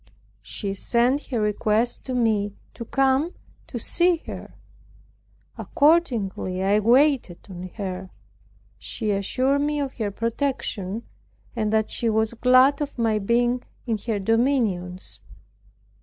She sent her request to me to come to see her. Accordingly I waited on her. She assured me of her protection, and that she was glad of my being in her dominions.